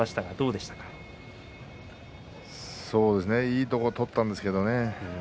いいところを取ったんですけどね。